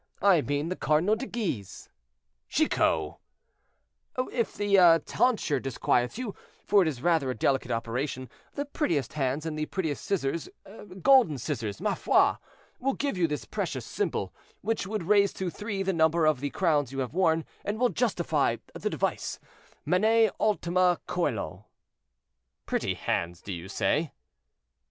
I mean the Cardinal de Guise." "Chicot!" "And if the tonsure disquiets you, for it is rather a delicate operation, the prettiest hands and the prettiest scissors—golden scissors, ma foi!—will give you this precious symbol, which would raise to three the number of the crowns you have worn, and will justify the device, 'Manet ultima coelo.'" "Pretty hands, do you say?"